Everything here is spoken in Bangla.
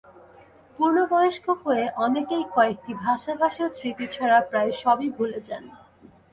পূর্ণবয়স্ক হয়ে অনেকেই কয়েকটি ভাসা ভাসা স্মৃতি ছাড়া প্রায় সবই ভুলে যান।